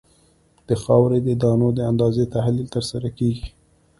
د خاورې د دانو د اندازې تحلیل ترسره کیږي